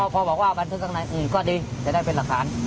พอบอกว่าบันทึกข้างในอื่นก็ดีจะได้เป็นหลักฐาน